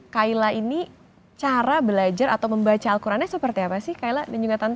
kayla ini cara belajar atau membaca al qurannya seperti apa sih kayla dan juga tante